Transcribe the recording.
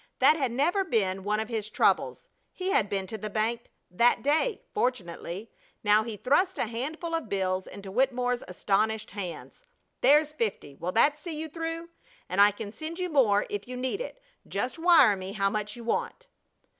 That had never been one of his troubles. He had been to the bank that day, fortunately. Now he thrust a handful of bills into Wittemore's astonished hands. "There's fifty! Will that see you through? And I can send you more if you need it. Just wire me how much you want."